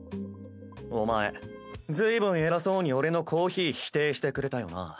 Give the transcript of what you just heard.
お前随分偉そうに俺のコーヒー否定してくれたよな。